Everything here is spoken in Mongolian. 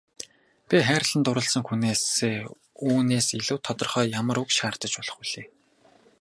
Би хайрлан дурласан хүнээсээ үүнээс илүү тодорхой ямар үг шаардаж болох билээ.